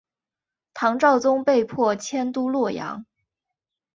唐昭宗被迫迁都洛阳。